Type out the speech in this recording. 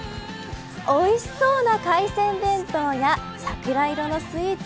おいしそうな海鮮弁当や桜色のスイーツ。